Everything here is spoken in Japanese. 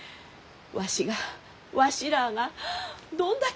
わしがわしらあがどんだけおまんを。